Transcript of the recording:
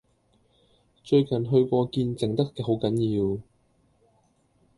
最近去過見靜得好緊要